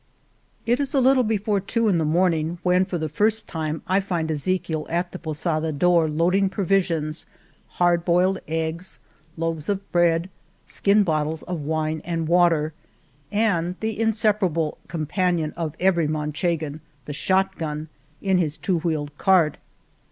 It is a little before two in the morning when, for the first time, I find Ezechiel at the posada door loading provisions, hard boiled eggs, loaves of bread, skin bottles of wine and water, and the inseparable compan 63 The Cave of Montesinos ion of every Manchegan, the shot gun, in his two wheeled cart.